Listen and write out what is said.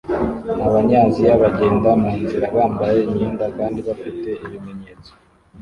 Abanyaziya bagenda munzira bambaye imyenda kandi bafite ibimenyetso